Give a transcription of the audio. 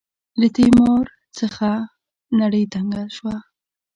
له تیمار څخه مو نړۍ تنګه شوه.